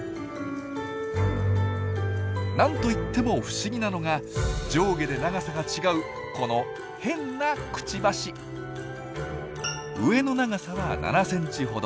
なんといっても不思議なのが上下で長さが違うこの変なクチバシ！上の長さは７ｃｍほど。